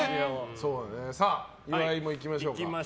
岩井も行きましょうか。